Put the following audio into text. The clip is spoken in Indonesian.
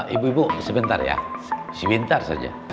ibu ibu sebentar ya sebentar saja